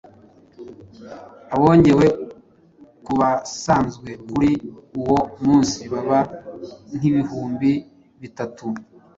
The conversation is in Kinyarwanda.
abongewe ku basanzwe kuri uwo munsi baba nk’ibihumbi bitatu.